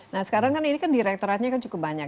nah sekarang kan ini kan direkturatnya kan cukup banyak